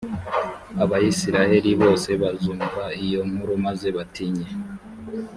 abayisraheli bose bazumva iyo nkuru, maze batinye.